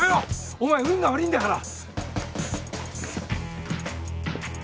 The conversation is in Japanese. お前運が悪ぃんだから！